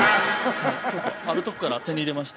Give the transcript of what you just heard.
あるとこから手に入れまして。